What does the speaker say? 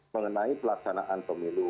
mengenai pelaksanaan pemilu